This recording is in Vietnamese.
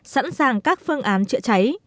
sẵn sàng các phương án chữa cháy